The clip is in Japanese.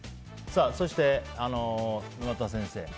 そして、沼田先生